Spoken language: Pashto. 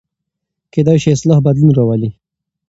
کېدای سي اصلاح بدلون راولي.